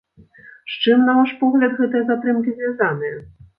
З чым, на ваш погляд, гэтыя затрымкі звязаныя?